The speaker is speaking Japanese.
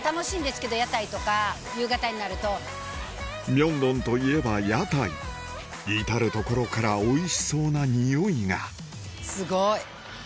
明洞といえば屋台至る所からおいしそうな匂いがすごい！